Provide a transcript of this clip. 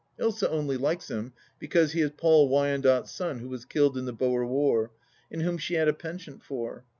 Ilsa only likes him because he is Paul Wyandotte's son who was killed in the Boer War, and whom she had a penchant for.